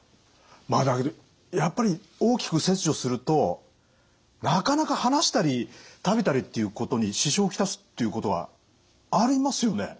だけどやっぱり大きく切除するとなかなか話したり食べたりっていうことに支障を来すっていうことはありますよね？